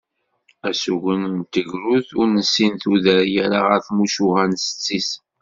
Asugen n tegrudt ur nessin tudert yerra ɣer tmucuha n setti-s.